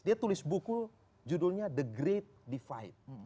dia tulis buku judulnya the great divide